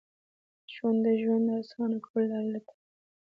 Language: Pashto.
ژوندي د ژوند اسانه کولو لارې لټوي